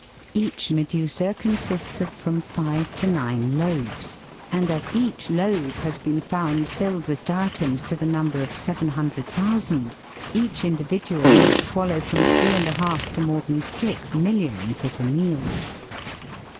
Each medusa consists of from five to nine lobes, and as each lobe has been found filled with diatoms to the number of 700,000, each individual must swallow from three and a half to more than six millions at a meal.